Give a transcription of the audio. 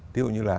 tiểu như là